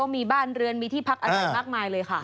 มีบ้านเรือนมีที่พักอาศัยมากมายเลยค่ะ